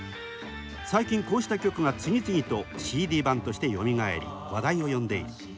最近こうした曲が次々とＣＤ版としてよみがえり話題を呼んでいる。